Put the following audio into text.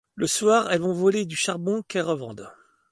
Le soir, elles vont voler du charbon qu'elles revendent.